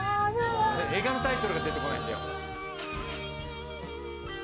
映画のタイトルが出てこないんだよ。